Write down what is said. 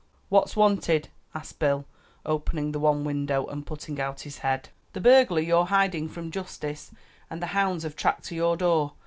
"What's wanted?" asked Bill, opening the one window and putting out his head. "The burglar you're hiding from justice and the hounds have tracked to your door.